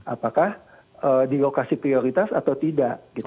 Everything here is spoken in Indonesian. apakah dilokasi prioritas atau tidak gitu